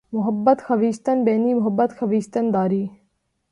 محبت خویشتن بینی محبت خویشتن داری